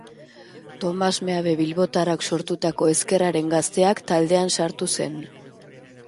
Tomas Meabe bilbotarrak sortutako Ezkerraren Gazteak taldean sartu zen.